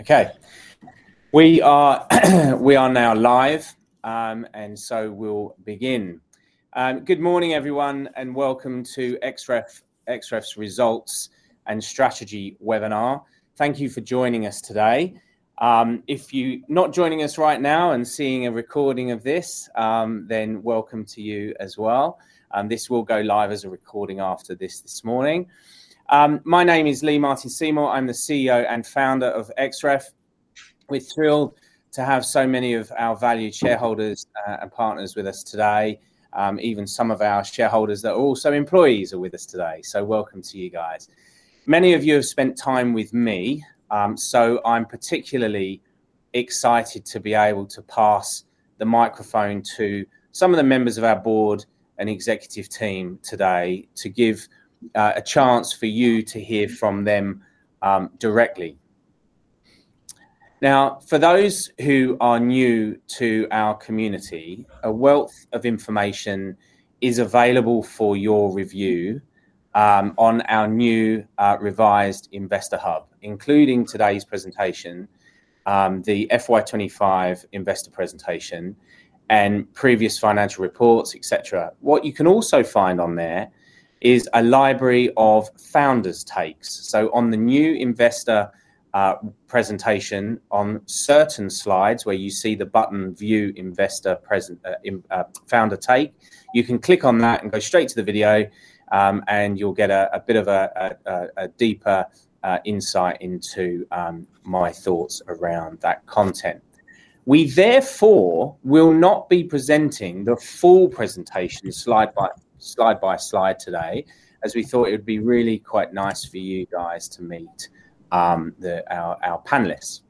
Okay, we are now live, and so we'll begin. Good morning everyone, and welcome to Xref's Results and Strategy webinar. Thank you for joining us today. If you're not joining us right now and seeing a recording of this, then welcome to you as well. This will go live as a recording after this, this morning. My name is Lee Martin Seymour. I'm the CEO and Founder of Xref. We're thrilled to have so many of our valued shareholders and partners with us today. Even some of our shareholders that are also employees are with us today, so welcome to you guys. Many of you have spent time with me, so I'm particularly excited to be able to pass the microphone to some of the members of our board and executive team today to give a chance for you to hear from them directly. Now, for those who are new to our community, a wealth of information is available for your review on our new, revised investor hub, including today's presentation, the FY25 investor presentation, and previous financial reports, etc. What you can also find on there is a library of founders' takes. On the new investor presentation, on certain slides where you see the button "View Investor Present Founder Take," you can click on that and go straight to the video, and you'll get a bit of a deeper insight into my thoughts around that content. We therefore will not be presenting the full presentation slide by slide today, as we thought it would be really quite nice for you guys to meet our panelists.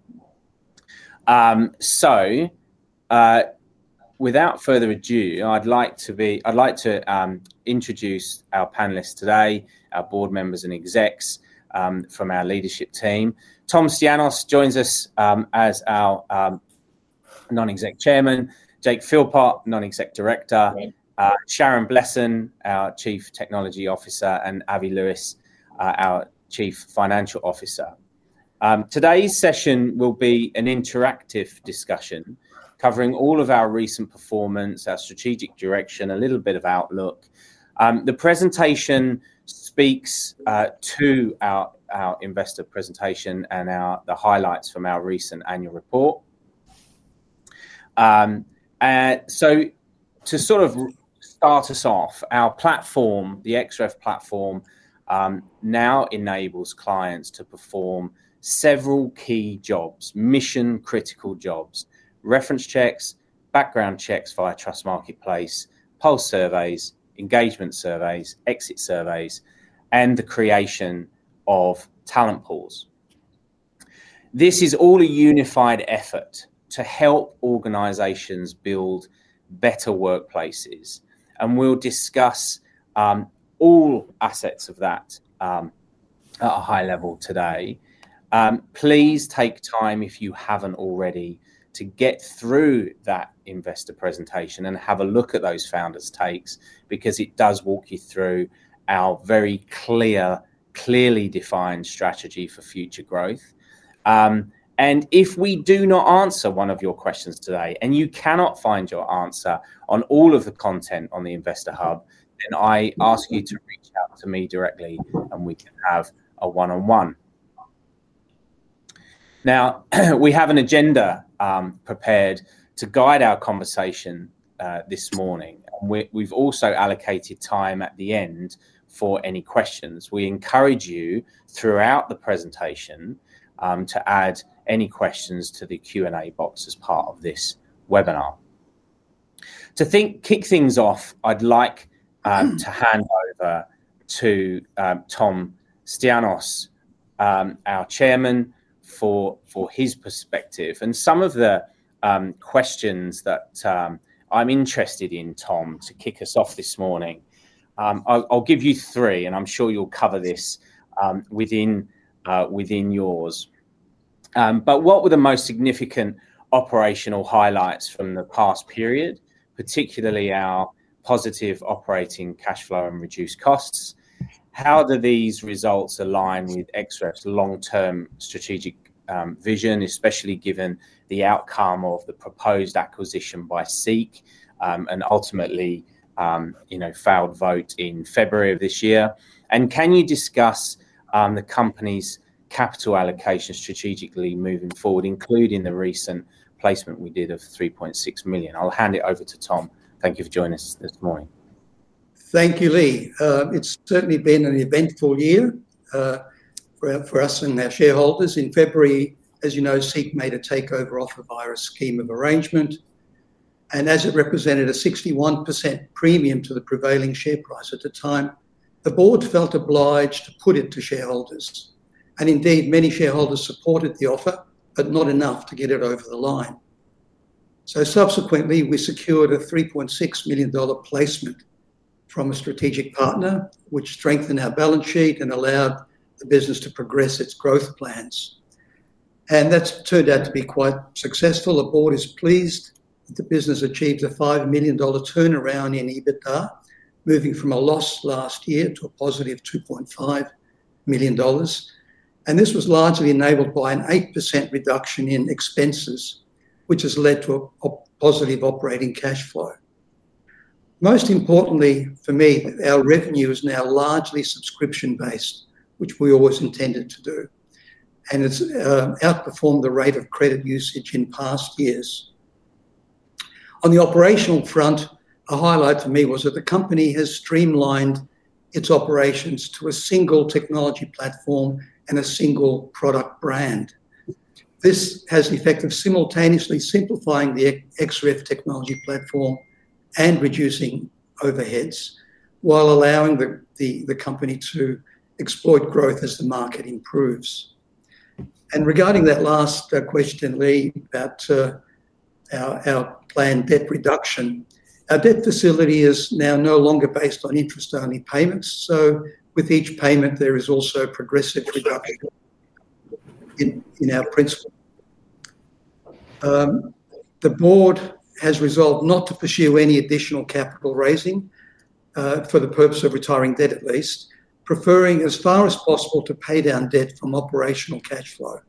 Without further ado, I'd like to introduce our panelists today, our board members and execs from our leadership team. Thomas Stianos joins us as our Non-Executive Chairman, Jake Philpot, Non-Executive Director, Sharon Blesson, our Chief Technology Officer, and Avi Lewis, our Chief Financial Officer. Today's session will be an interactive discussion covering all of our recent performance, our strategic direction, a little bit of outlook. The presentation speaks to our investor presentation and the highlights from our recent annual report. To start us off, our platform, the Xref Platform, now enables clients to perform several key jobs, mission-critical jobs: reference checks, background checks via Trust Marketplace, pulse surveys, engagement surveys, exit surveys, and the creation of talent pools. This is all a unified effort to help organizations build better workplaces, and we'll discuss all assets of that at a high level today. Please take time, if you haven't already, to get through that investor presentation and have a look at those founders' takes because it does walk you through our very clear, clearly defined strategy for future growth. If we do not answer one of your questions today and you cannot find your answer on all of the content on the investor hub, then I ask you to reach out to me directly and we can have a one-on-one. Now, we have an agenda prepared to guide our conversation this morning. We've also allocated time at the end for any questions. We encourage you throughout the presentation to add any questions to the Q&A box as part of this webinar. To kick things off, I'd like to hand over to Thomas Stianos, our Chairman, for his perspective and some of the questions that I'm interested in, Tom, to kick us off this morning. I'll give you three, and I'm sure you'll cover this within yours. What were the most significant operational highlights from the past period, particularly our positive operating cash flow and reduced costs? How do these results align with Xref's long-term strategic vision, especially given the outcome of the proposed acquisition by SEEK and ultimately a failed vote in February of this year? Can you discuss the company's capital allocation strategically moving forward, including the recent placement we did of $3.6 million? I'll hand it over to Tom. Thank you for joining us this morning. Thank you, Lee. It's certainly been an eventful year for us and our shareholders. In February, as you know, SEEK made a takeover offer by our scheme of arrangement, and as it represented a 61% premium to the prevailing share price at the time, the board felt obliged to put it to shareholders. Indeed, many shareholders supported the offer, but not enough to get it over the line. Subsequently, we secured a $3.6 million placement from a strategic partner, which strengthened our balance sheet and allowed the business to progress its growth plans. That's turned out to be quite successful. The board is pleased that the business achieved a $5 million turnaround in EBITDA, moving from a loss last year to a positive $2.5 million. This was largely enabled by an 8% reduction in expenses, which has led to a positive operating cash flow. Most importantly for me, our revenue is now largely subscription-based, which we always intended to do, and it's outperformed the rate of credit usage in past years. On the operational front, a highlight for me was that the company has streamlined its operations to a single technology platform and a single product brand. This has the effect of simultaneously simplifying the Xref Platform and reducing overheads while allowing the company to exploit growth as the market improves. Regarding that last question, Lee, about our planned debt reduction, our debt facility is now no longer based on interest-only payments. With each payment, there is also progressive retirement in our principal. The board has resolved not to pursue any additional capital raising for the purpose of retiring debt, at least preferring as far as possible to pay down debt from operational cash flow.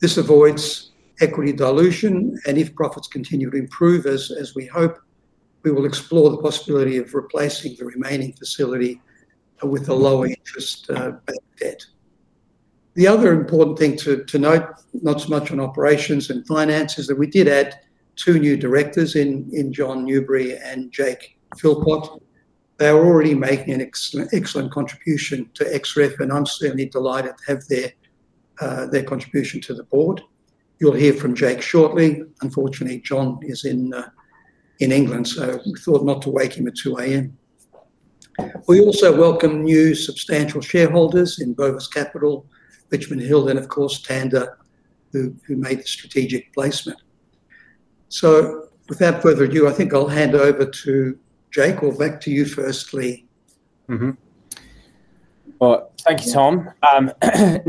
This avoids equity dilution, and if profits continue to improve, as we hope, we will explore the possibility of replacing the remaining facility with a lower interest debt. The other important thing to note, not so much on operations and finances, is that we did add two new directors in, John Newbury and Jake Philpot. They are already making an excellent contribution to Xref, and I'm certainly delighted to have their contribution to the board. You'll hear from Jake shortly. Unfortunately, John is in England, so we thought not to wake him at 2:00 A.M. We also welcome new substantial shareholders in Bovis Capital, Richmond Hill, and of course, Tanda, who made the strategic placement. Without further ado, I think I'll hand over to Jake or back to you first, Lee. Thank you, Tom. That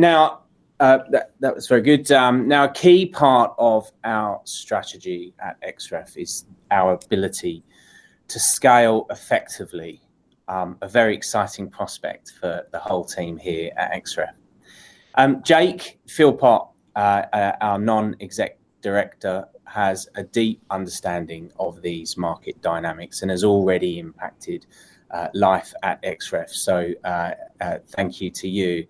was very good. A key part of our strategy at Xref is our ability to scale effectively, a very exciting prospect for the whole team here at Xref. Jake Philpot, our Non-Executive Director, has a deep understanding of these market dynamics and has already impacted life at Xref. Thank you to you.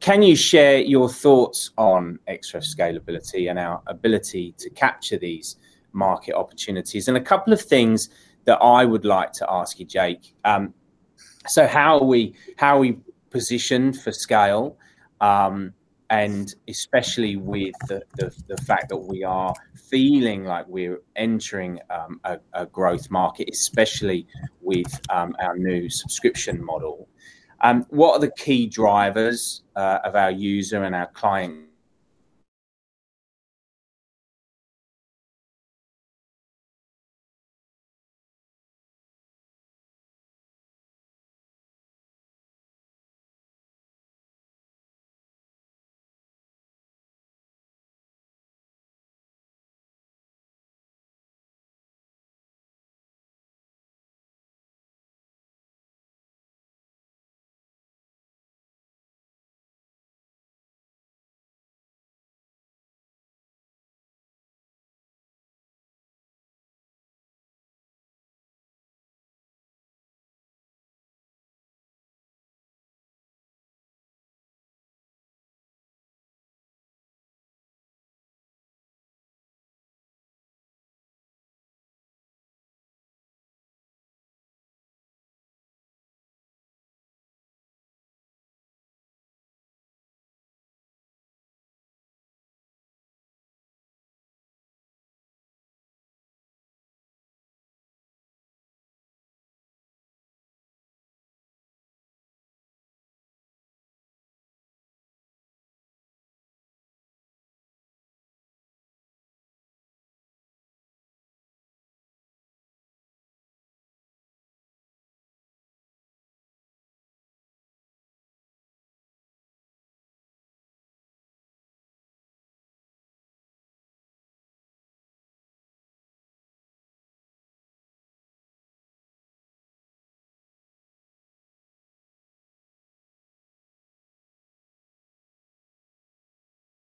Can you share your thoughts on Xref's scalability and our ability to capture these market opportunities? A couple of things that I would like to ask you, Jake. How are we positioned for scale? Especially with the fact that we are feeling like we're entering a growth market, especially with our new subscription model, what are the key drivers of our user and our client?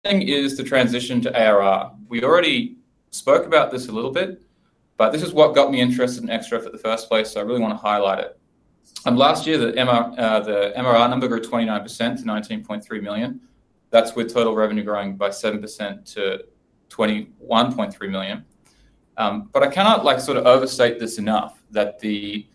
I think the key point is the transition to ARR. We already spoke about this a little bit, but this is what got me interested in Xref in the first place, so I really want to highlight it. Last year, the MRR number grew 29% to $19.3 million. That's with total revenue growing by 7% to $21.3 million. I cannot sort of overstate this enough that the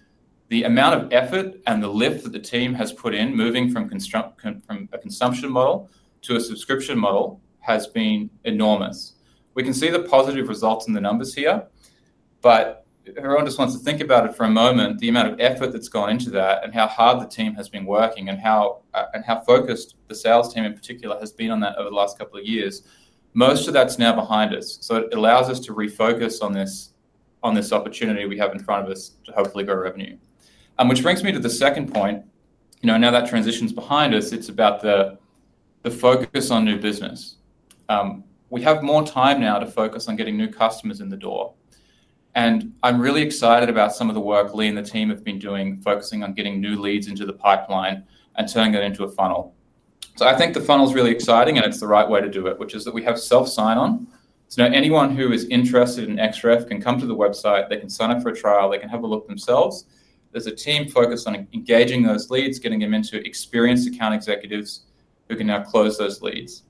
amount of effort and the lift that the team has put in moving from a consumption model to a subscription model has been enormous. We can see the positive results in the numbers here, but everyone just wants to think about it for a moment, the amount of effort that's gone into that and how hard the team has been working and how focused the sales team in particular has been on that over the last couple of years. Most of that's now behind us, so it allows us to refocus on this opportunity we have in front of us to hopefully grow revenue. Which brings me to the second point. Now that transition's behind us, it's about the focus on new business. We have more time now to focus on getting new customers in the door. I'm really excited about some of the work Lee and the team have been doing, focusing on getting new leads into the pipeline and turning that into a funnel. I think the funnel's really exciting, and it's the right way to do it, which is that we have self-sign-on. Now anyone who is interested in Xref can come to the website, they can sign up for a trial, they can have a look themselves. There's a team focused on engaging those leads, getting them into experienced account executives who can now close those leads.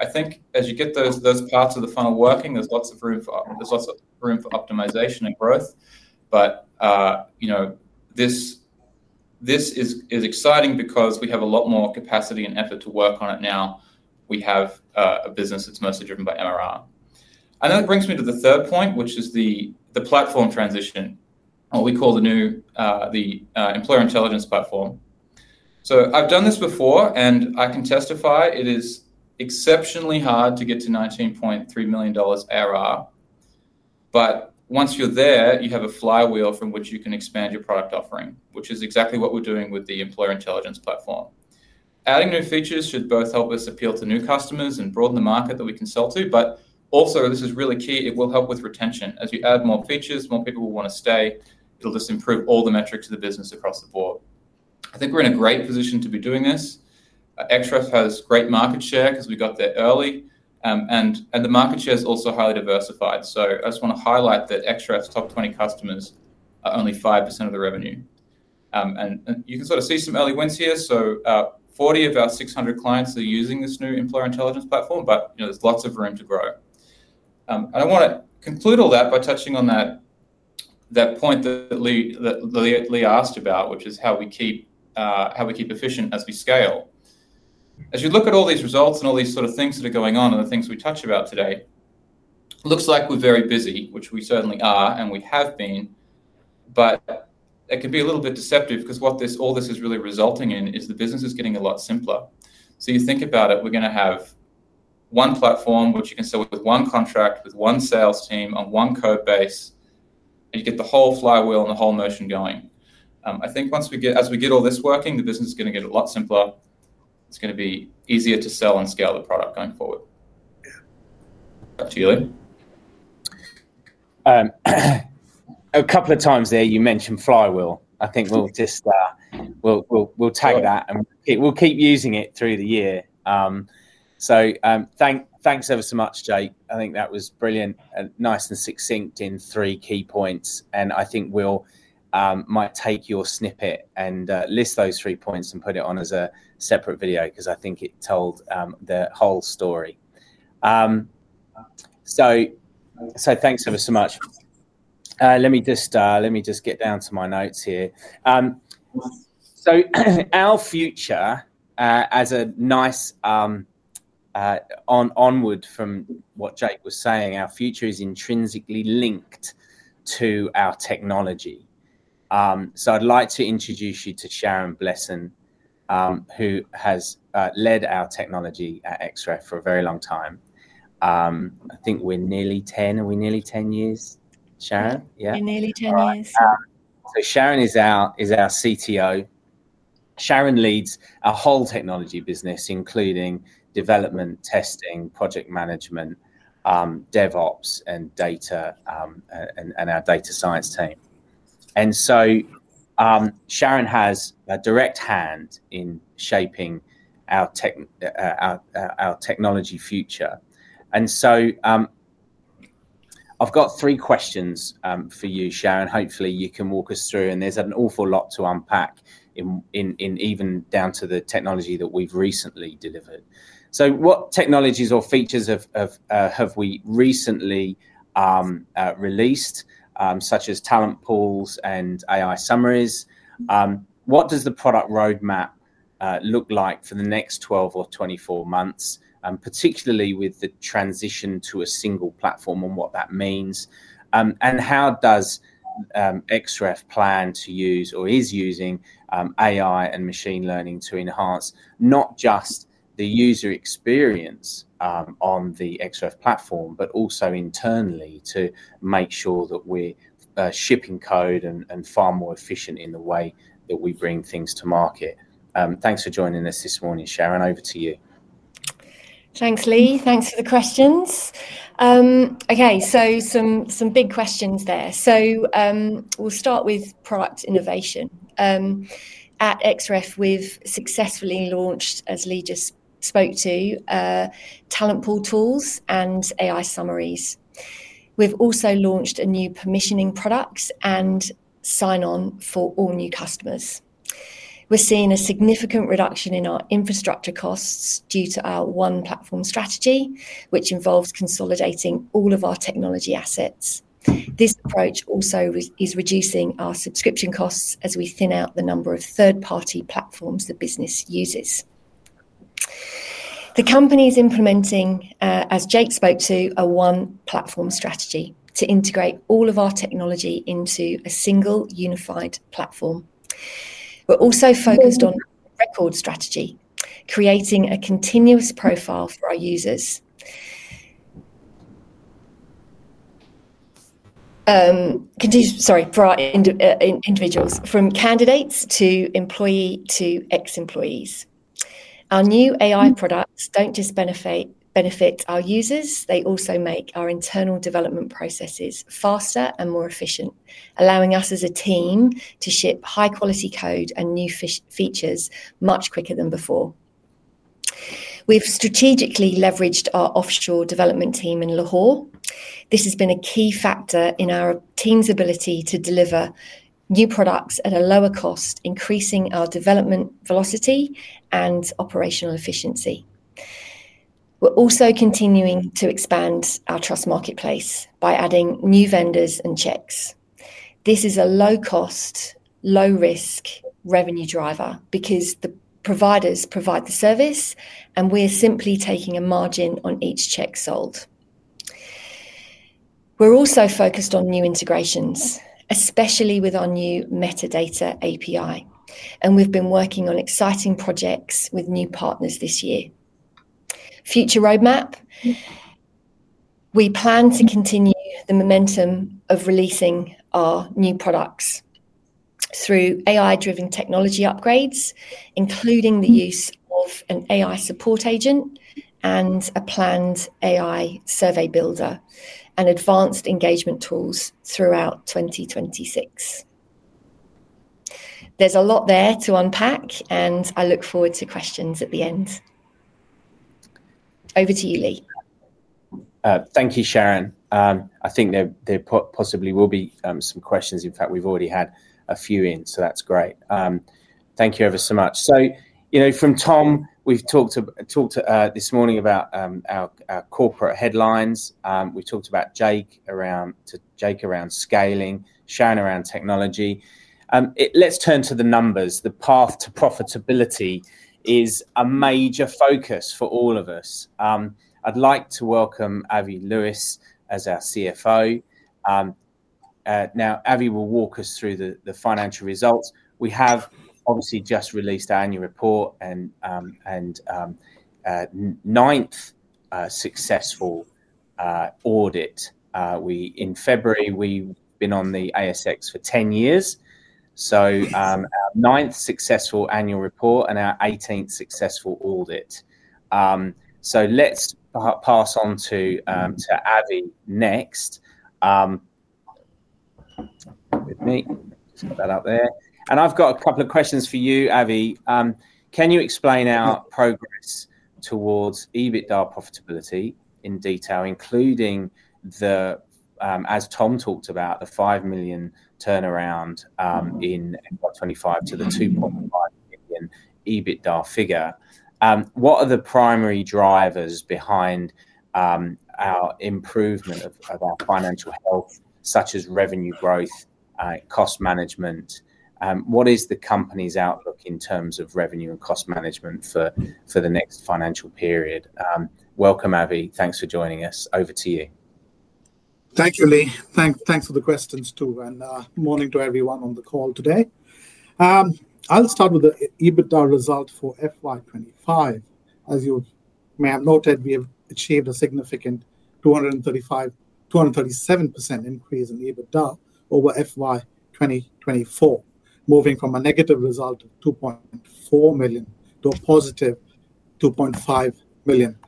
I think as you get those parts of the funnel working, there's lots of room for optimization and growth. This is exciting because we have a lot more capacity and effort to work on it now. We have a business that's mostly driven by MRR. That brings me to the third point, which is the platform transition, what we call the new Employer Intelligence platform. I've done this before, and I can testify it is exceptionally hard to get to $19.3 million ARR. Once you're there, you have a flywheel from which you can expand your product offering, which is exactly what we're doing with the Employer Intelligence platform. Adding new features should both help us appeal to new customers and broaden the market that we can sell to. This is really key. It will help with retention. As you add more features, more people will want to stay. It'll just improve all the metrics of the business across the board. I think we're in a great position to be doing this. Xref has great market share because we got there early, and the market share is also highly diversified. I just want to highlight that Xref's top 20 customers are only 5% of the revenue. You can sort of see some early wins here. 40 of our 600 clients are using this new Employer Intelligence platform, but there's lots of room to grow. I want to conclude all that by touching on that point that Lee asked about, which is how we keep efficient as we scale. As you look at all these results and all these sort of things that are going on and the things we touch about today, it looks like we're very busy, which we certainly are, and we have been. It could be a little bit deceptive because what all this is really resulting in is the business is getting a lot simpler. You think about it, we're going to have one platform, which you can sell with one contract, with one sales team, on one code base, and you get the whole flywheel and the whole motion going. I think once we get, as we get all this working, the business is going to get a lot simpler. It's going to be easier to sell and scale the product going forward. Yeah, up to you, Lee. A couple of times there you mentioned flywheel. I think we'll just take that and we'll keep using it through the year. Thanks ever so much, Jake. I think that was brilliant and nice and succinct in three key points. I think we might take your snippet and list those three points and put it on as a separate video because I think it told the whole story. Thanks ever so much. Let me just get down to my notes here. Our future, as a nice onward from what Jake was saying, our future is intrinsically linked to our technology. I'd like to introduce you to Sharon Blesson, who has led our technology at Xref for a very long time. I think we're nearly 10, are we nearly 10 years, Sharon? Yeah. We're nearly 10 years. is our Chief Technology Officer. Sharon leads our whole technology business, including development, testing, project management, DevOps, and our data science team. Sharon has a direct hand in shaping our technology future. I've got three questions for you, Sharon. Hopefully, you can walk us through, and there's an awful lot to unpack, even down to the technology that we've recently delivered. What technologies or features have we recently released, such as talent pools and AI summaries? What does the product roadmap look like for the next 12 or 24 months, particularly with the transition to a single platform and what that means? How does Xref plan to use or is using AI and machine learning to enhance not just the user experience on the Xref Platform, but also internally to make sure that we're shipping code and far more efficient in the way that we bring things to market? Thanks for joining us this morning, Sharon. Over to you. Thanks, Lee. Thanks for the questions. Okay, some big questions there. We'll start with product innovation. At Xref, we've successfully launched, as Lee just spoke to, talent pool tools and AI summaries. We've also launched a new permissioning product and sign-on for all new customers. We're seeing a significant reduction in our infrastructure costs due to our one-platform strategy, which involves consolidating all of our technology assets. This approach is also reducing our subscription costs as we thin out the number of third-party platforms the business uses. The company is implementing, as Jake spoke to, a one-platform strategy to integrate all of our technology into a single unified platform. We're also focused on a record strategy, creating a continuous profile for our users, sorry, for our individuals, from candidates to employee to ex-employees. Our new AI products don't just benefit our users; they also make our internal development processes faster and more efficient, allowing us as a team to ship high-quality code and new features much quicker than before. We've strategically leveraged our offshore development team in Lahore. This has been a key factor in our team's ability to deliver new products at a lower cost, increasing our development velocity and operational efficiency. We're also continuing to expand our Trust Marketplace by adding new vendors and checks. This is a low-cost, low-risk revenue driver because the providers provide the service, and we're simply taking a margin on each check sold. We're also focused on new integrations, especially with our new metadata API, and we've been working on exciting projects with new partners this year. Future roadmap, we plan to continue the momentum of releasing our new products through AI-driven technology upgrades, including the use of an AI support agent and a planned AI survey builder and advanced engagement tools throughout 2026. There's a lot there to unpack, and I look forward to questions at the end. Over to you, Lee. Thank you, Sharon. I think there possibly will be some questions. In fact, we've already had a few in, so that's great. Thank you ever so much. From Tom, we've talked this morning about our corporate headlines. We talked about Jake around scaling, Sharon around technology. Let's turn to the numbers. The path to profitability is a major focus for all of us. I'd like to welcome Avi Lewis as our CFO. Now, Avi will walk us through the financial results. We have obviously just released our annual report and ninth successful audit. In February, we've been on the ASX for 10 years. Ninth successful annual report and our 18th successful audit. Let's pass on to Avi next. I think that's about up there. I've got a couple of questions for you, Avi. Can you explain our progress towards EBITDA profitability in detail, including, as Tom talked about, the $5 million turnaround in 2025 to the $2.5 million EBITDA figure? What are the primary drivers behind our improvement of our financial health, such as revenue growth, cost management? What is the company's outlook in terms of revenue and cost management for the next financial period? Welcome, Avi. Thanks for joining us. Over to you. Thank you, Lee. Thanks for the questions too, and morning to everyone on the call today. I'll start with the EBITDA result for FY25. As you may have noted, we have achieved a significant 237% increase in EBITDA over FY2024, moving from a negative result of $2.4 million to a positive $2.5 million.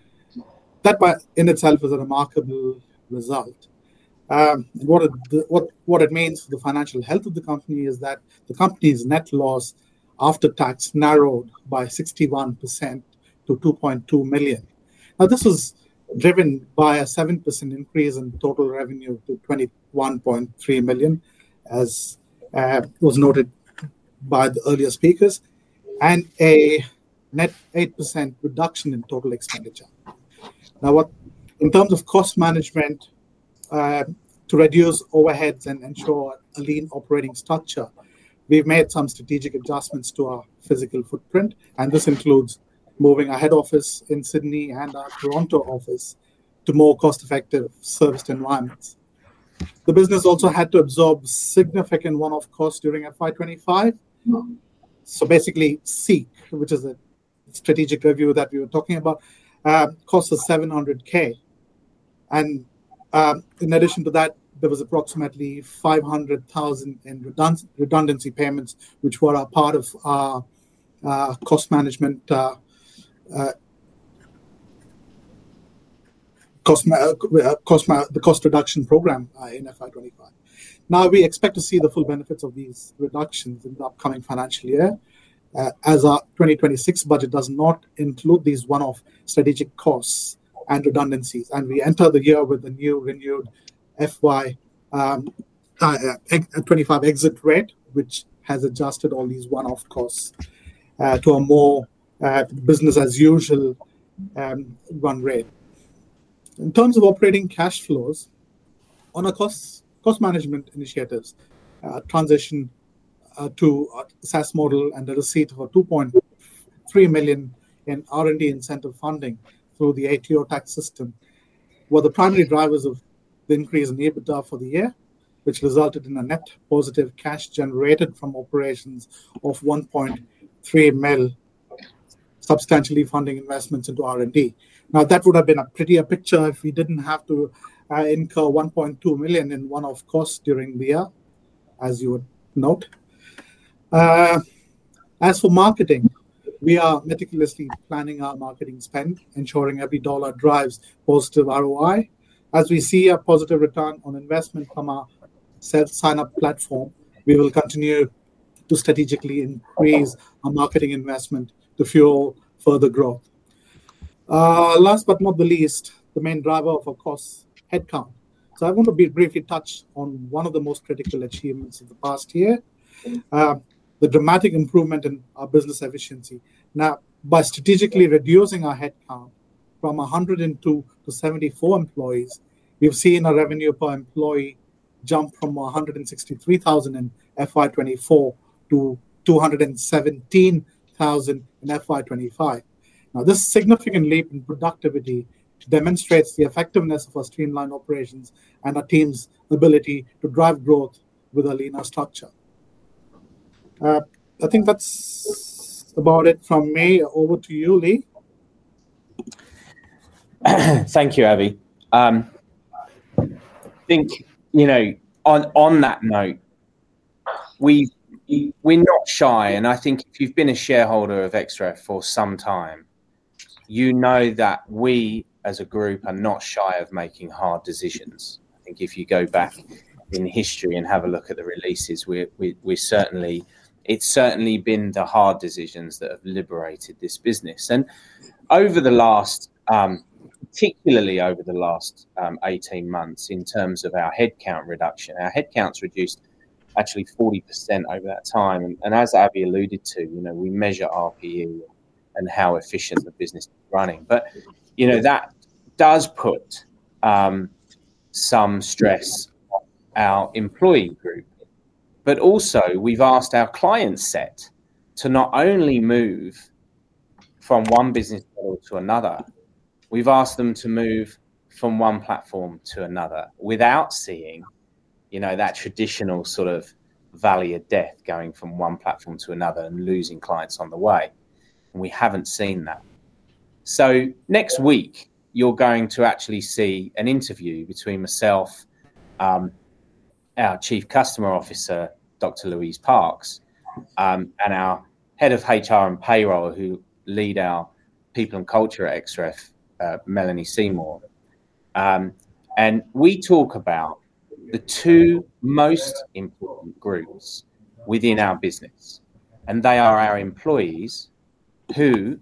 That by in itself is a remarkable result. What it means to the financial health of the company is that the company's net loss after tax narrowed by 61% to $2.2 million. This was driven by a 7% increase in total revenue to $21.3 million, as was noted by the earlier speakers, and a net 8% reduction in total expenditure. In terms of cost management to reduce overheads and ensure a lean operating structure, we've made some strategic adjustments to our physical footprint, and this includes moving our head office in Sydney and our Toronto office to more cost-effective serviced environments. The business also had to absorb significant one-off costs during FY25. SEEK, which is a strategic review that we were talking about, cost us $700,000. In addition to that, there were approximately $500,000 in redundancy payments, which were a part of our cost management, the cost reduction program in FY25. We expect to see the full benefits of these reductions in the upcoming financial year as our 2026 budget does not include these one-off strategic costs and redundancies, and we enter the year with a new renewed FY25 exit rate which has adjusted all these one-off costs to a more business-as-usual run rate. In terms of operating cash flows on our cost management initiatives, a transition to our SaaS model and the receipt of $2.3 million in R&D incentive funding through the ATO tax system were the primary drivers of the increase in EBITDA for the year, which resulted in a net positive cash generated from operations of $1.3 million, substantially funding investments into R&D. That would have been a prettier picture if we didn't have to incur $1.2 million in one-off costs during the year, as you would note. As for marketing, we are meticulously planning our marketing spend, ensuring every dollar drives positive ROI. As we see a positive return on investment from our self-sign-up platform, we will continue to strategically increase our marketing investment to fuel further growth. Last but not the least, the main driver of our costs, headcount. I want to briefly touch on one of the most critical achievements of the past year, the dramatic improvement in our business efficiency. By strategically reducing our headcount from 102 to 74 employees, we've seen our revenue per employee jump from $163,000 in FY24 to $217,000 in FY25. This significant leap in productivity demonstrates the effectiveness of our streamlined operations and our team's ability to drive growth with a leaner structure. I think that's about it from me. Over to you, Lee. Thank you, Avi. I think, on that note, we're not shy, and I think if you've been a shareholder of Xref for some time, you know that we as a group are not shy of making hard decisions. I think if you go back in history and have a look at the releases, we've certainly made the hard decisions that have liberated this business. Over the last, particularly over the last 18 months, in terms of our headcount reduction, our headcount's reduced actually 40% over that time. As Avi alluded to, we measure RPU and how efficient the business is running. That does put some stress on our employee group. We've asked our client set to not only move from one business model to another, we've asked them to move from one platform to another without seeing that traditional sort of valley of death going from one platform to another and losing clients on the way. We haven't seen that. Next week, you're going to actually see an interview between myself, our Chief Customer Officer, Dr. Louise Parks, and our Head of HR and Payroll, who leads our People and Culture at Xref, Melanie Seymour. We talk about the two most important groups within our business, and they are our employees, who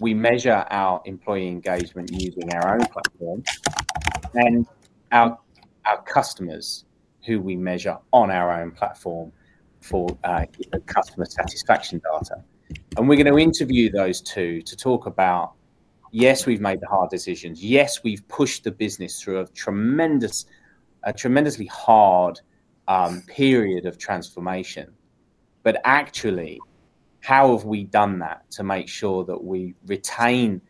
we measure our employee engagement using our own platform, and our customers, who we measure on our own platform for customer satisfaction data. We're going to interview those two to talk about, yes, we've made the hard decisions. Yes, we've pushed the business through a tremendously hard period of transformation. Actually, how have we done that to make sure that we retain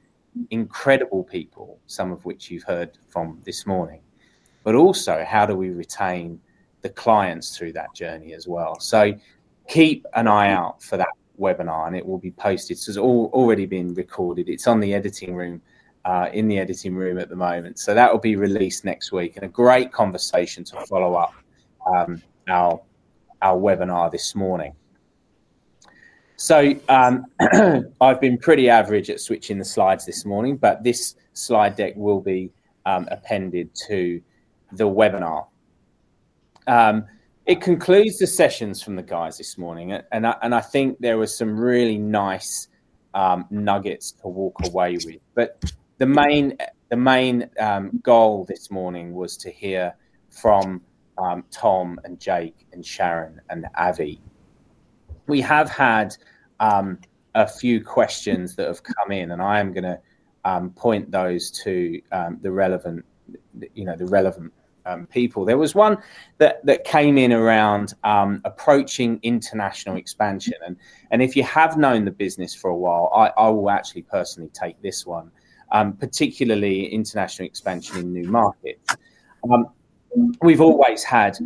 incredible people, some of which you've heard from this morning? How do we retain the clients through that journey as well? Keep an eye out for that webinar, and it will be posted. It's already been recorded. It's in the editing room at the moment. That will be released next week, and a great conversation to follow up our webinar this morning. I've been pretty average at switching the slides this morning, but this slide deck will be appended to the webinar. It concludes the sessions from the guys this morning, and I think there were some really nice nuggets to walk away with. The main goal this morning was to hear from Tom and Jake and Sharon and Avi. We have had a few questions that have come in, and I am going to point those to the relevant people. There was one that came in around approaching international expansion. If you have known the business for a while, I will actually personally take this one, particularly international expansion in new markets. We've always had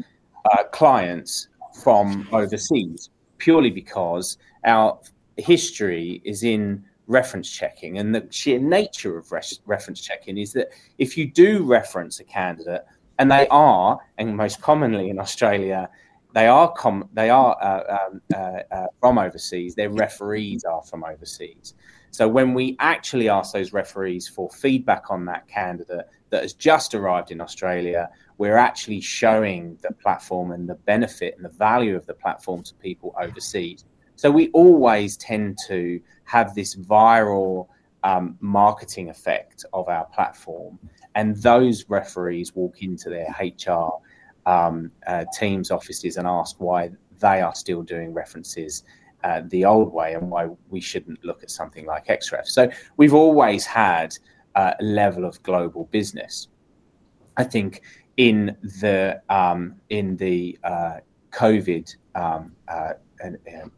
clients from overseas purely because our history is in reference checking. The sheer nature of reference checking is that if you do reference a candidate, and they are, and most commonly in Australia, they are from overseas, their referees are from overseas. When we actually ask those referees for feedback on that candidate that has just arrived in Australia, we're actually showing the platform and the benefit and the value of the platform to people overseas. We always tend to have this viral marketing effect of our platform. Those referees walk into their HR teams' offices and ask why they are still doing references the old way and why we shouldn't look at something like Xref. We've always had a level of global business. I think in the COVID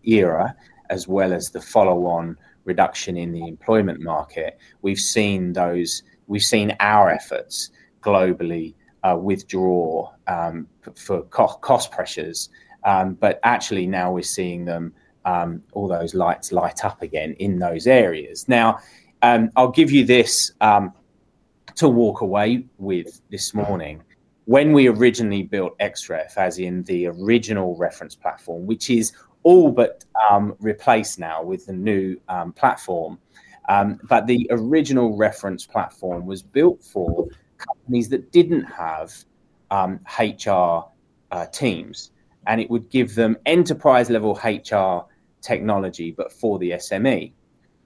era, as well as the follow-on reduction in the employment market, we've seen our efforts globally withdraw for cost pressures. Actually, now we're seeing all those lights light up again in those areas. I'll give you this to walk away with this morning. When we originally built Xref, as in the original reference platform, which is all but replaced now with the new platform, the original reference platform was built for companies that didn't have HR teams, and it would give them enterprise-level HR technology, but for the SME.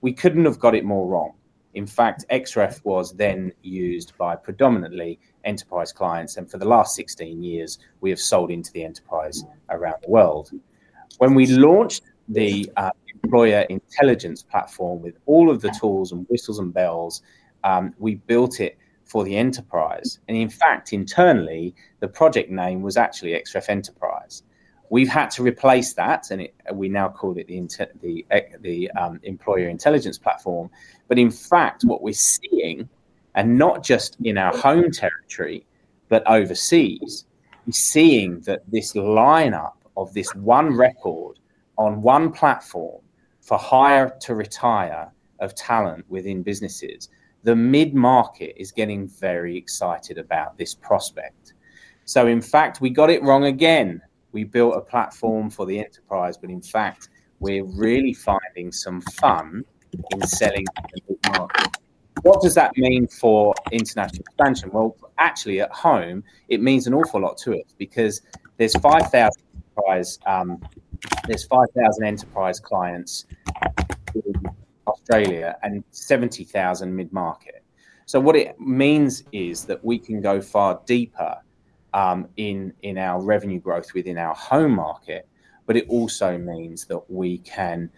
We couldn't have got it more wrong. In fact, Xref was then used by predominantly enterprise clients, and for the last 16 years, we have sold into the enterprise around the world. When we launched the Employer Intelligence platform with all of the tools and whistles and bells, we built it for the enterprise. In fact, internally, the project name was actually Xref Enterprise. We've had to replace that, and we now call it the Employer Intelligence platform. In fact, what we're seeing, and not just in our home territory, but overseas, we're seeing that this lineup of this one record on one platform for hire to retire of talent within businesses, the mid-market is getting very excited about this prospect. In fact, we got it wrong again. We built a platform for the enterprise, but in fact, we're really finding some fun in selling the market. What does that mean for international expansion? At home, it means an awful lot to us because there's 5,000 enterprise clients in Australia and 70,000 mid-market. What it means is that we can go far deeper in our revenue growth within our home market, but it also means that we can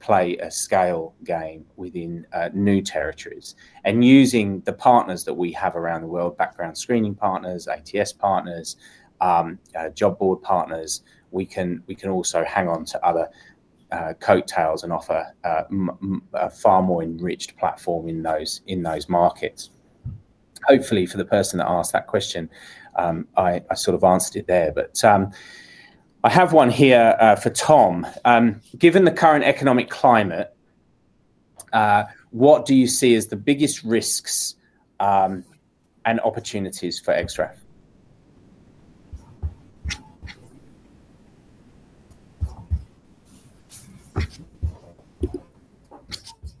play a scale game within new territories. Using the partners that we have around the world, background screening partners, ATS partners, job board partners, we can also hang on to other coattails and offer a far more enriched platform in those markets. Hopefully, for the person that asked that question, I sort of answered it there, but I have one here for Tom. Given the current economic climate, what do you see as the biggest risks and opportunities for Xref?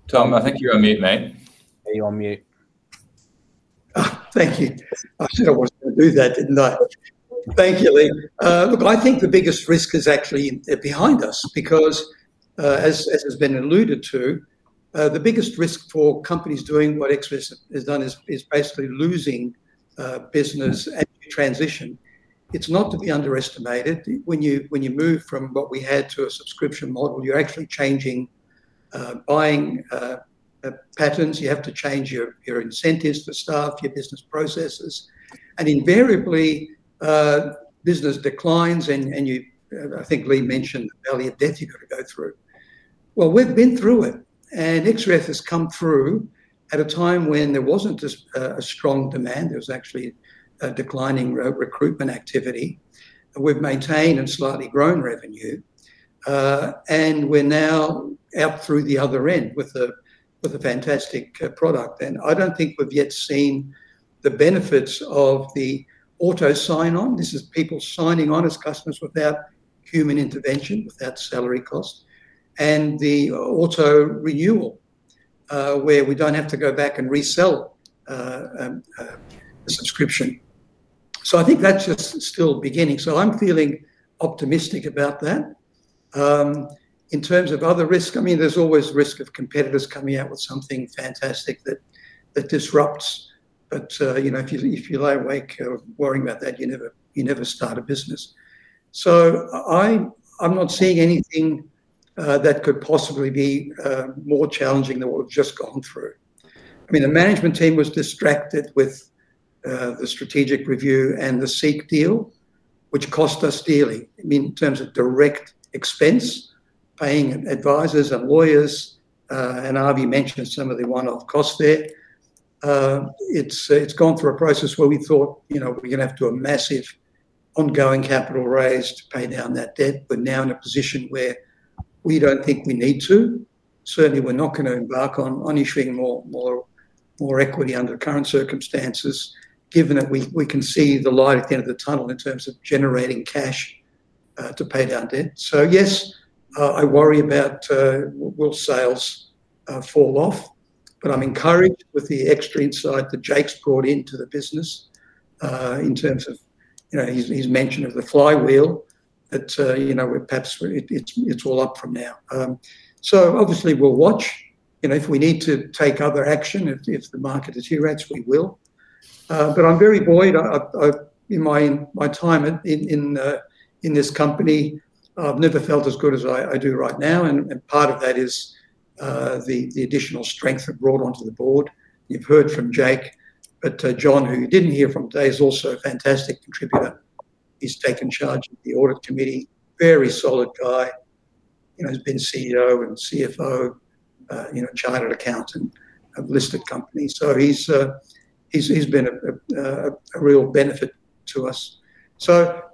Tom, I think you're on mute, mate. You're on mute. Thank you. I didn't want to do that, didn't I? Thank you, Lee. Look, I think the biggest risk is actually behind us because, as has been alluded to, the biggest risk for companies doing what Xref has done is basically losing business at transition. It's not to be underestimated. When you move from what we had to a subscription model, you're actually changing buying patterns. You have to change your incentives for staff, your business processes. Invariably, business declines, and you, I think Lee mentioned the valley of death you've got to go through. We've been through it, and Xref has come through at a time when there wasn't a strong demand. There was actually a declining recruitment activity. We've maintained and slightly grown revenue, and we're now out through the other end with a fantastic product. I don't think we've yet seen the benefits of the auto sign-on. This is people signing on as customers without human intervention, without salary cost, and the auto renewal where we don't have to go back and resell a subscription. I think that's just still beginning. I'm feeling optimistic about that. In terms of other risks, there's always risk of competitors coming out with something fantastic that disrupts. If you lie awake worrying about that, you never start a business. I'm not seeing anything that could possibly be more challenging than what we've just gone through. The management team was distracted with the strategic review and the SEEK deal, which cost us dearly. In terms of direct expense, paying advisors and lawyers, and Avi mentioned some of the one-off costs there. It's gone through a process where we thought, you know, we're going to have to do a massive ongoing capital raise to pay down that debt. We're now in a position where we don't think we need to. Certainly, we're not going to embark on issuing more equity under current circumstances, given that we can see the light at the end of the tunnel in terms of generating cash to pay down debt. Yes, I worry about will sales fall off, but I'm encouraged with the extra insight that Jake's brought into the business in terms of, you know, his mention of the flywheel, that, you know, perhaps it's all up from now. Obviously, we'll watch. If we need to take other action, if the market deteriorates, we will. I'm very worried. In my time in this company, I've never felt as good as I do right now. Part of that is the additional strength I've brought onto the board. You've heard from Jake, but John, who you didn't hear from today, is also a fantastic contributor. He's taken charge of the audit committee, very solid guy. He's been CEO and CFO, chartered accountant at a listed company. He's been a real benefit to us.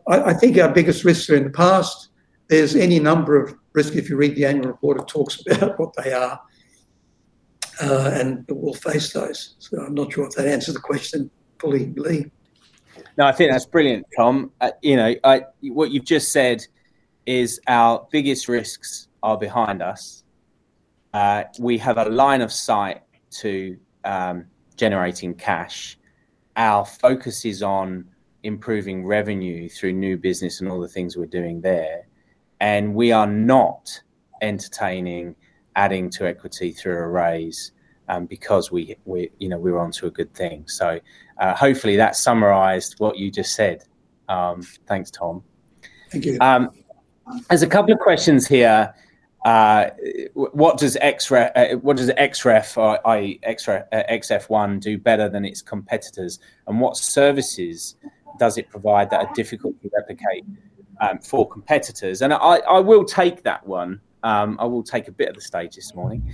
I think our biggest risks are in the past. There's any number of risks. If you read the annual report, it talks about what they are, and we'll face those. I'm not sure if that answered the question fully, Lee. No, I think that's brilliant, Tom. What you've just said is our biggest risks are behind us. We have a line of sight to generating cash. Our focus is on improving revenue through new business and all the things we're doing there. We are not entertaining adding to equity through a raise because we, you know, we're onto a good thing. Hopefully, that summarized what you just said. Thanks, Tom. There's a couple of questions here. What does Xref or XF1 do better than its competitors? What services does it provide that are difficult to replicate for competitors? I will take that one. I will take a bit of the stage this morning.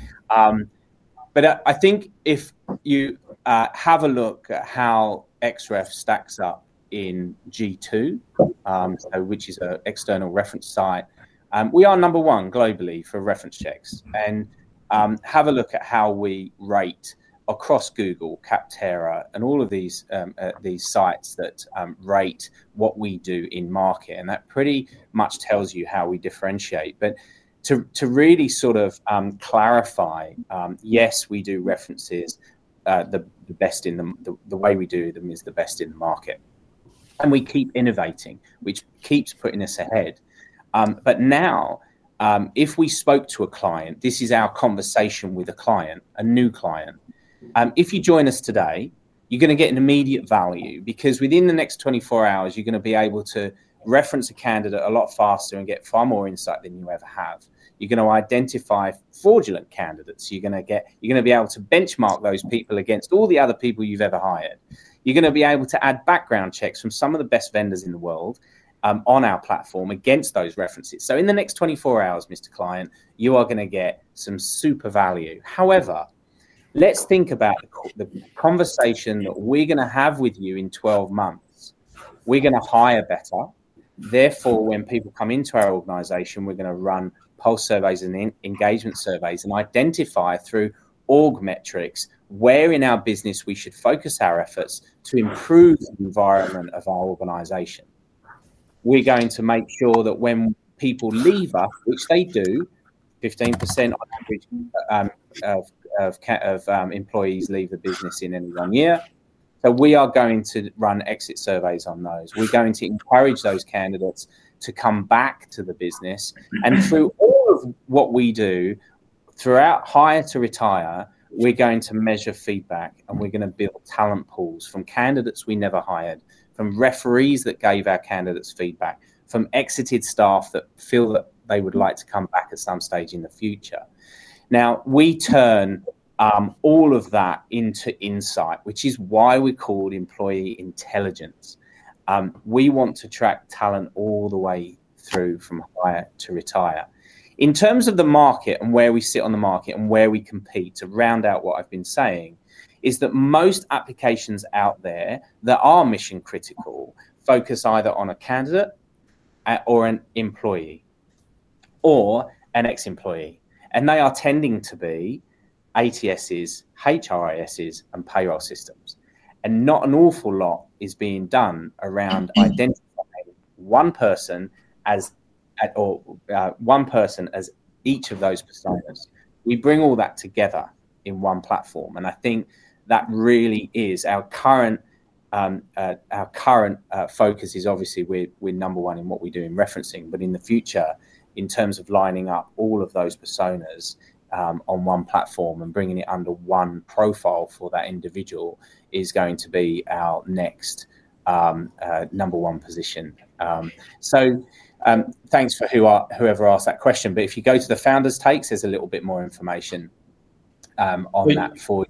If you have a look at how Xref stacks up in G2, which is an external reference site, we are number one globally for reference checks. Have a look at how we rate across Google, Capterra, and all of these sites that rate what we do in market. That pretty much tells you how we differentiate. To really sort of clarify, yes, we do references. The best in the way we do them is the best in the market. We keep innovating, which keeps putting us ahead. Now, if we spoke to a client, this is our conversation with a client, a new client. If you join us today, you're going to get an immediate value because within the next 24 hours, you're going to be able to reference a candidate a lot faster and get far more insight than you ever have. You're going to identify fraudulent candidates. You're going to be able to benchmark those people against all the other people you've ever hired. You're going to be able to add background checks from some of the best vendors in the world on our platform against those references. In the next 24 hours, Mr. Client, you are going to get some super value. However, let's think about the conversation that we're going to have with you in 12 months. We're going to hire better. Therefore, when people come into our organization, we're going to run pulse surveys and engagement surveys and identify through org metrics where in our business we should focus our efforts to improve the environment of our organization. We're going to make sure that when people leave, which they do, 15% of employees leave the business in any one year, that we are going to run exit surveys on those. We're going to encourage those candidates to come back to the business. Through what we do, throughout hire to retire, we're going to measure feedback, and we're going to build talent pools from candidates we never hired, from referees that gave our candidates feedback, from exited staff that feel that they would like to come back at some stage in the future. We turn all of that into insight, which is why we call employee intelligence. We want to track talent all the way through from hire to retire. In terms of the market and where we sit on the market and where we compete, to round out what I've been saying, most applications out there that are mission-critical focus either on a candidate or an employee or an ex-employee. They are tending to be ATSs, HRISs, and payroll systems. Not an awful lot is being done around identifying one person as or one person as each of those personas. We bring all that together in one platform. I think that really is our current focus. Obviously, we're number one in what we do in referencing. In the future, in terms of lining up all of those personas on one platform and bringing it under one profile for that individual, it is going to be our next number one position. Thanks for whoever asked that question. If you go to the founders' takes, there's a little bit more information on that for you.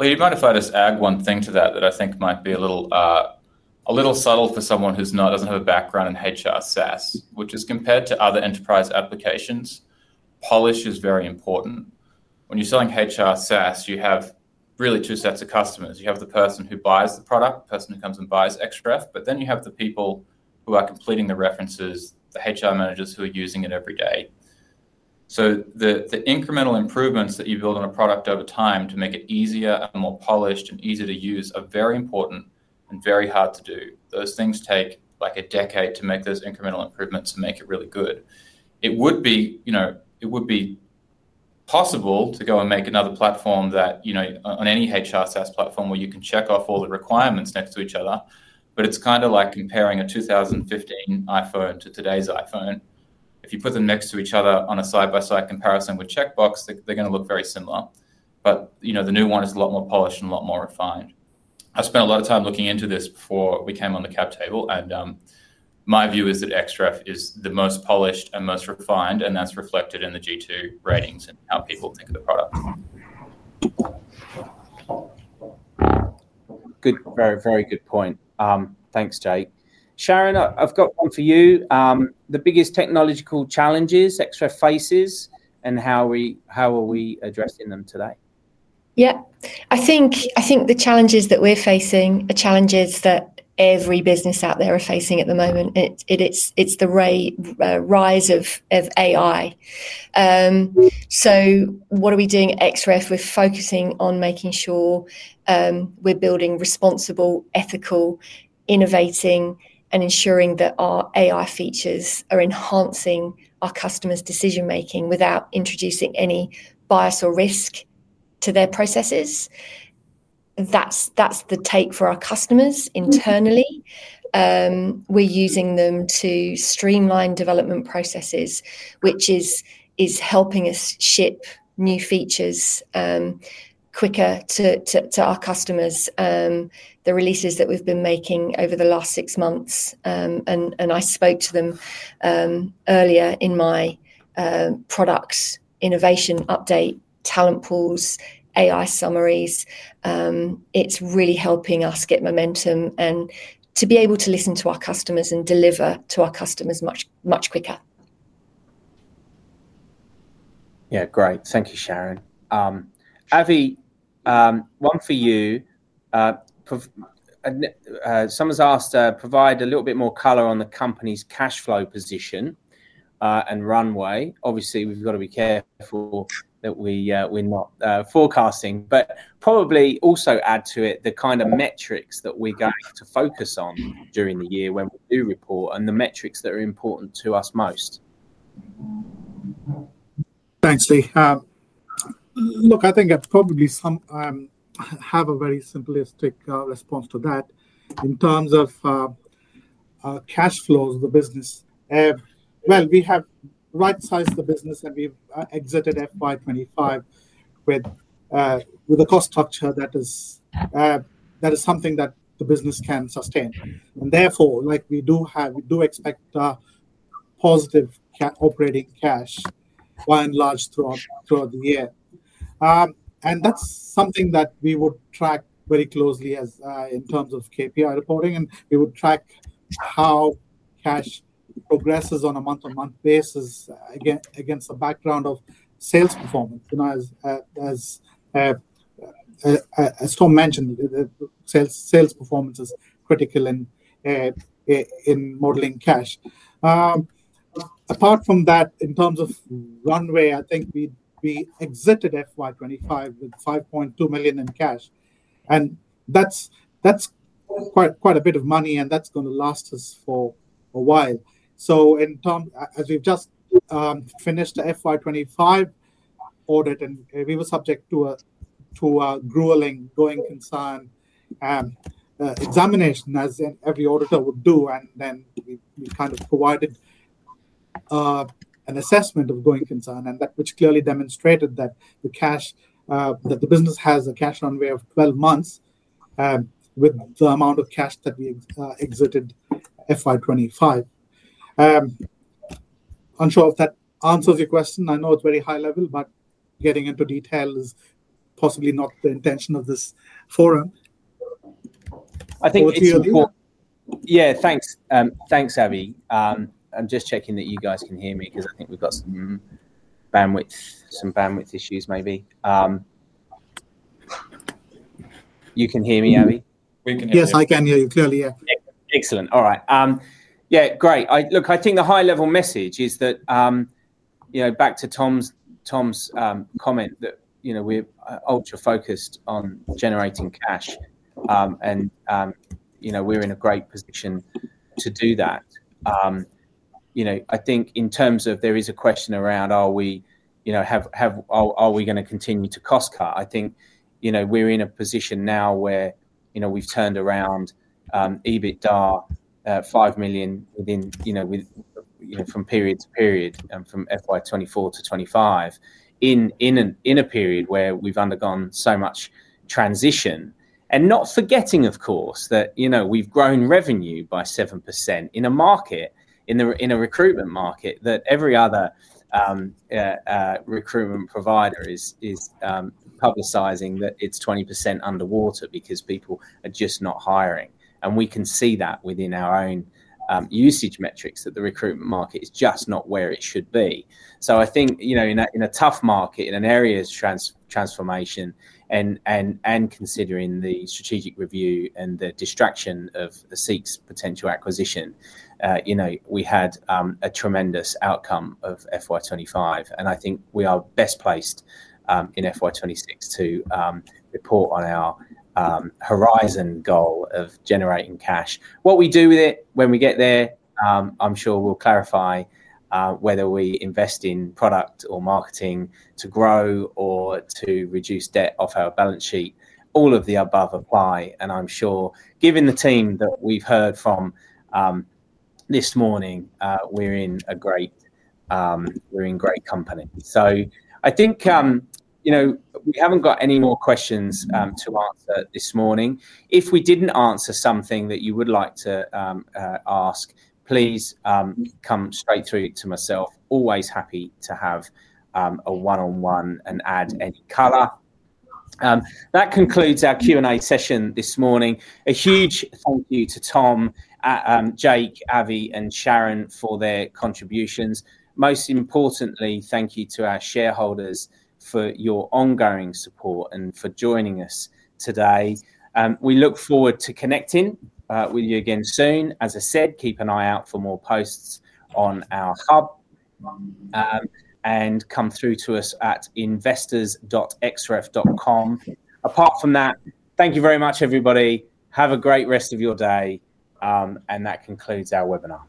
You might have heard us add one thing to that that I think might be a little subtle for someone who doesn't have a background in HR SaaS, which is compared to other enterprise applications, polish is very important. When you're selling HR SaaS, you have really two sets of customers. You have the person who buys the product, the person who comes and buys Xref, but then you have the people who are completing the references, the HR managers who are using it every day. The incremental improvements that you build on a product over time to make it easier and more polished and easier to use are very important and very hard to do. Those things take like a decade to make those incremental improvements and make it really good. It would be possible to go and make another platform that, on any HR SaaS platform where you can check off all the requirements next to each other. It's kind of like comparing a 2015 iPhone to today's iPhone. If you put them next to each other on a side-by-side comparison with checkbox, they're going to look very similar. The new one is a lot more polished and a lot more refined. I spent a lot of time looking into this before we came on the cap table. My view is that Xref is the most polished and most refined, and that's reflected in the G2 ratings and how people think of the product. Good, very, very good point. Thanks, Jake. Sharon, I've got for you the biggest technological challenges Xref faces, and how are we addressing them today? I think the challenges that we're facing are challenges that every business out there is facing at the moment. It's the rise of AI. What are we doing at Xref? We're focusing on making sure we're building responsible, ethical, innovating, and ensuring that our AI features are enhancing our customers' decision-making without introducing any bias or risk to their processes. That's the take for our customers internally. We're using them to streamline development processes, which is helping us ship new features quicker to our customers. The releases that we've been making over the last six months, and I spoke to them earlier in my products innovation update, talent pools, AI summaries. It's really helping us get momentum and to be able to listen to our customers and deliver to our customers much, much quicker. Yeah, great. Thank you, Sharon. Avi, one for you. Someone's asked to provide a little bit more color on the company's cash flow position and runway. Obviously, we've got to be careful that we're not forecasting, but probably also add to it the kind of metrics that we're going to focus on during the year when we do report and the metrics that are important to us most. Thanks, Lee. Look, I think I probably have a very simplistic response to that. In terms of cash flows, the business, we have right-sized the business and we've exited FY2025 with a cost structure that is something that the business can sustain. Therefore, we do expect positive operating cash by and large throughout the year. That's something that we would track very closely in terms of KPI reporting, and we would track how cash progresses on a month-on-month basis against a background of sales performance. As Tom mentioned, sales performance is critical in modeling cash. Apart from that, in terms of runway, I think we exited FY2025 with $5.2 million in cash. That's quite a bit of money, and that's going to last us for a while. In terms, as we've just finished the FY2025 audit, we were subject to a grueling going concern examination, as every auditor would do. We kind of provided an assessment of going concern, which clearly demonstrated that the business has a cash runway of 12 months with the amount of cash that we exited FY2025. Unsure if that answers your question. I know it's very high level, but getting into detail is possibly not the intention of this forum. Thanks, Avi. I'm just checking that you guys can hear me because I think we've got some bandwidth issues maybe. You can hear me, Avi? Yes, I can hear you clearly, yeah. Excellent. All right. Yeah, great. Look, I think the high-level message is that, you know, back to Tom's comment that, you know, we're ultra-focused on generating cash, and you know, we're in a great position to do that. I think in terms of there is a question around, are we, you know, are we going to continue to cost cut? I think we're in a position now where we've turned around EBITDA $5 million within, you know, from period to period and from FY2024 to 2025 in a period where we've undergone so much transition. Not forgetting, of course, that we've grown revenue by 7% in a market, in a recruitment market that every other recruitment provider is publicizing that it's 20% underwater because people are just not hiring. We can see that within our own usage metrics that the recruitment market is just not where it should be. I think in a tough market, in an area's transformation, and considering the strategic review and the distraction of SEEK's potential acquisition, we had a tremendous outcome of FY2025. I think we are best placed in FY2026 to report on our horizon goal of generating cash. What we do with it when we get there, I'm sure we'll clarify whether we invest in product or marketing to grow or to reduce debt off our balance sheet. All of the above apply. I'm sure, given the team that we've heard from this morning, we're in a great company. I think we haven't got any more questions to answer this morning. If we didn't answer something that you would like to ask, please come straight through to myself. Always happy to have a one-on-one and add any color. That concludes our Q&A session this morning. A huge thank you to Tom, Jake, Avi, and Sharon for their contributions. Most importantly, thank you to our shareholders for your ongoing support and for joining us today. We look forward to connecting with you again soon. As I said, keep an eye out for more posts on our hub and come through to us at investors.xref.com. Apart from that, thank you very much, everybody. Have a great rest of your day. That concludes our webinar.